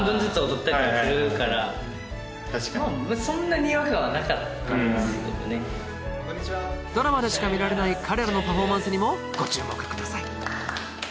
撮影前にダンスのドラマでしか見られない彼らのパフォーマンスにもご注目ください